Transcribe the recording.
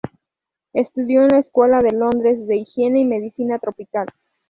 Estudió en la Escuela de Londres de Higiene y Medicina Tropical.